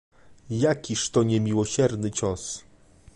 "jakiż to niemiłosierny cios!.."